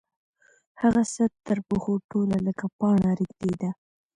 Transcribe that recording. هغه سر تر پښو ټوله لکه پاڼه رېږدېده.